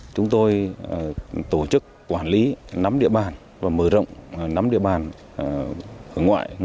chúng tôi tổ chức quản lý nắm địa bàn và mở rộng nắm địa bàn